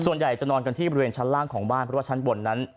ส่วนใหญ่จะนอนกันที่บริเวณชั้นล่างของบ้านเพราะว่าชั้นบนนั้น